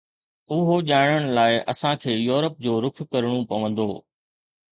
اهو ڄاڻڻ لاءِ اسان کي يورپ جو رخ ڪرڻو پوندو